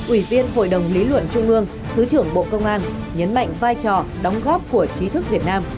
ủy viên hội đồng lý luận trung ương thứ trưởng bộ công an nhấn mạnh vai trò đóng góp của trí thức việt nam